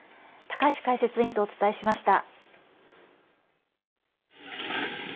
高橋解説委員とお伝えしました。